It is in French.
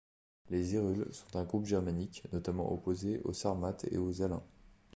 Les Hérules sont un groupe germanique notamment opposés aux Sarmates et aux Alains.